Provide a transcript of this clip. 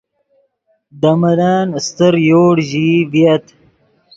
دے ملن استر یوڑ ژیئی ڤییت